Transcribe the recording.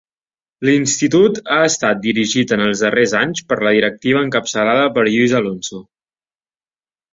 L’institut ha estat dirigit en els darrers anys per la directiva encapçalada per Lluís Alonso.